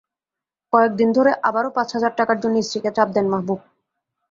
কয়েক দিন ধরে আবারও পাঁচ হাজার টাকার জন্য স্ত্রীকে চাপ দেন মাহবুব।